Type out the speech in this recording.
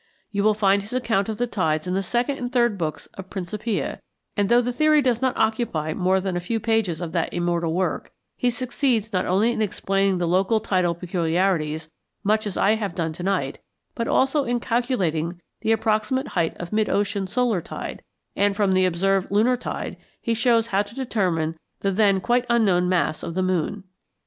You will find his account of the tides in the second and third books of the Principia; and though the theory does not occupy more than a few pages of that immortal work, he succeeds not only in explaining the local tidal peculiarities, much as I have done to night, but also in calculating the approximate height of mid ocean solar tide; and from the observed lunar tide he shows how to determine the then quite unknown mass of the moon.